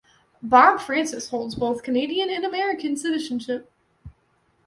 Bob Francis holds both Canadian and American citizenship.